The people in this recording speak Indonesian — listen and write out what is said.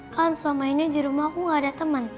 kan selama ini di rumahku gak ada temen